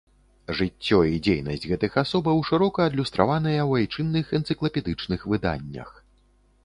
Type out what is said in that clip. Жыццё і дзейнасць гэтых асобаў шырока адлюстраваныя ў айчынных энцыклапедычных выданнях.